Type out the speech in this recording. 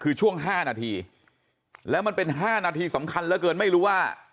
คือช่วง๕นาทีแล้วมันเป็น๕นาทีสำคัญเหลือเกินไม่รู้ว่า